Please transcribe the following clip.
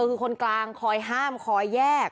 คือคนกลางคอยห้ามคอยแยก